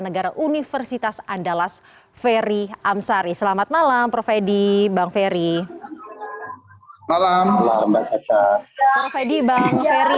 negara universitas andalas ferry amsari selamat malam profedi bang ferry malam malam mbak ferry